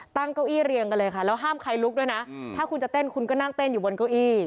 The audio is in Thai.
เก้าอี้เรียงกันเลยค่ะแล้วห้ามใครลุกด้วยนะถ้าคุณจะเต้นคุณก็นั่งเต้นอยู่บนเก้าอี้